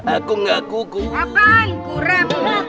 aku pengen makan waalku after atas kotanya habis